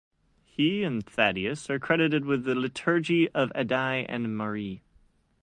He and Thaddeus are credited with the "Liturgy of Addai and Mari".